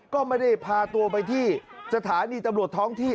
ก็ไม่ได้พาตัวไปที่สถานีตำรวจท้องที่